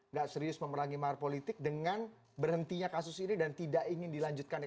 nggak serius memerangi mahar politik dengan berhentinya kasus ini dan tidak ingin dilanjutkan